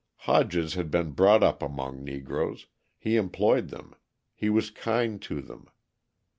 Hodges had been brought up among Negroes, he employed them, he was kind to them.